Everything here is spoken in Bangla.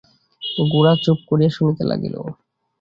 গোরা চুপ করিয়া শুনিতে লাগিল।